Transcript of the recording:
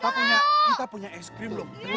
kita punya es krim loh